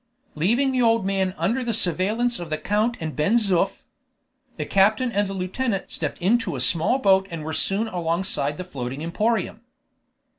Leaving the old man under the surveillance of the count and Ben Zoof, the captain and the lieutenant stepped into a small boat and were soon alongside the floating emporium.